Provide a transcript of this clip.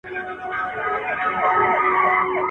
بزګر وویل غویی چي ستړی کېږي ..